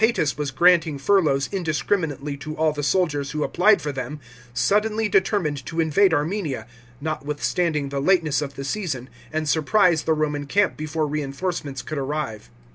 tus was granting furloughs indiscriminately to all the soldiers who applied for them, suddenly determined to invade Armenia, notwithstanding the lateness of the season, and surprise the Roman camp before reinforcements could arrive.